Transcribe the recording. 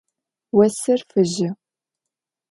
Осыр фыжьы.